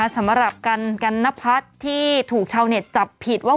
สำหรับกันนพัฒน์ที่ถูกชาวเน็ตจับผิดว่า